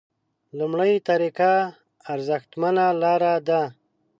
لومړۍ طریقه ارزښتمنه لاره ده.